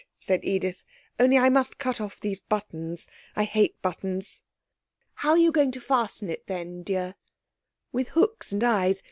said Edith. 'Only I must cut off those buttons. I hate buttons.' 'How are you going to fasten it, then, dear?' 'With hooks and eyes.